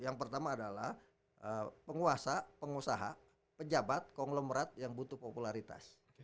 yang pertama adalah penguasa pengusaha pejabat konglomerat yang butuh popularitas